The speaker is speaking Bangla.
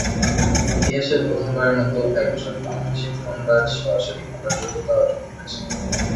ইতিহাসে প্রথমবারের মতো একজন বাংলাদেশী তীরন্দাজ সরাসরি খেলার যোগ্যতা অর্জন করেছে।